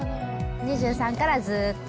２３からずっと。